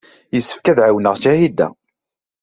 Yessefk ad ɛawneɣ Ǧahida.